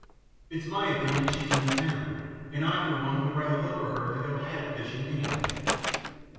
It's my opinion she's in the town, and I for one would rather look for her than go haddock fishing any day."